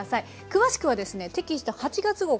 詳しくはですねテキスト８月号